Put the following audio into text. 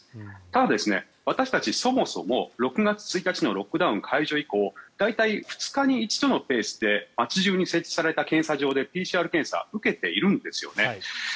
ただ、私たち、そもそも６月１日のロックダウン解除以降大体２日に一度のペースで街中に設置された検査場でＰＣＲ検査を受けているんですよね。